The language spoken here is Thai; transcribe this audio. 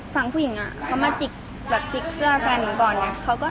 ฝั่งผู้หญิงอ่ะเขามาจิ๊กเสื้อแฟนเหมือนก่อน